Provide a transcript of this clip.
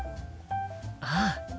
ああ。